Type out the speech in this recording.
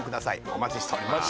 お待ちしております